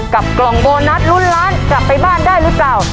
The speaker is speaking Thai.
กล่องโบนัสลุ้นล้านกลับไปบ้านได้หรือเปล่า